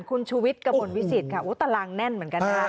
คุณชุวิตกระบวนวิสิตค่ะอ๋อตารางแน่นเหมือนกัน